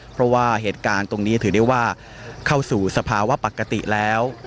เพราะว่าเหตุการณ์ตรงนี้ถือได้ว่าเข้าสู่สภาวะปกติแล้ว